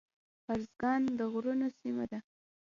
ارزګان د غرونو سیمه ده